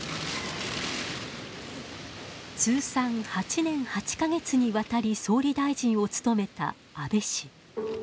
通算８年８か月にわたり総理大臣を務めた安倍氏。